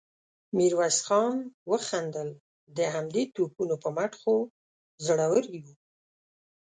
ميرويس خان وخندل: د همدې توپونو په مټ خو زړور يو.